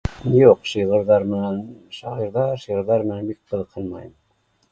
Юҡ, шиғырҙар менән, шағирҙар-шиғырҙар менән бик ҡыҙыҡһынмайым.